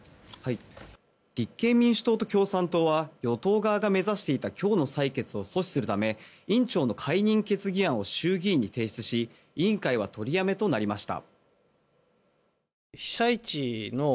立憲民主党と共産党は与党側が目指していた今日の採決を阻止するため委員長の解任決議案を衆議院に提出し委員会は取りやめとなりました。